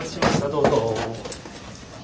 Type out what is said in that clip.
どうぞ。